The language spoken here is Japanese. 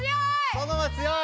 ソノマ強い！